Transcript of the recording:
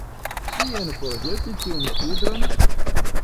Kien forĵeti tiun cindron?